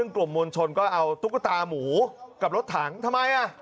ก็เอาตุ๊กตาหมูกับรถถังทำไม